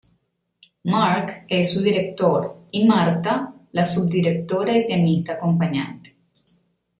Marc es su director y Marta, la subdirectora y pianista acompañante.